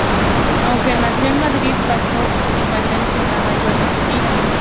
Aunque nació en Madrid, paso en Valencia la mayoría de su vida.